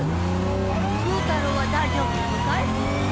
ブー太郎は大丈夫なのかいブー？